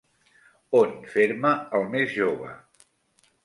On fer-me el més jove?